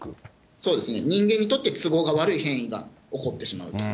そうですね、人間にとって都合が悪い変異が起こってしまうと。